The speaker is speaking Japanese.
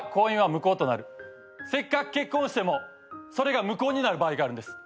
せっかく結婚してもそれが無効になる場合があるんです。